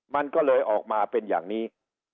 มันก็เลยออกมาเป็นอย่างนี้